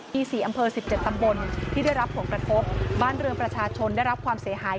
มี๔อำเภอ๑๗ตำบลที่ได้รับผลกระทบบ้านเรือนประชาชนได้รับความเสียหาย